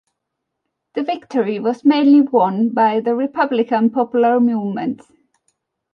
The victory was mainly won by the Republican Popular Movement.